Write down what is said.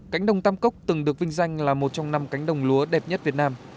cánh đồng tam cốc từng được vinh danh là một trong năm cánh đồng lúa đẹp nhất việt nam